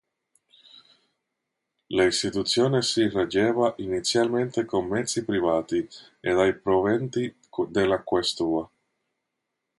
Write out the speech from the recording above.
L'istituzione si reggeva inizialmente con mezzi privati e dai proventi della questua.